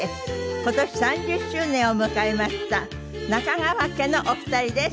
今年３０周年を迎えました中川家のお二人です。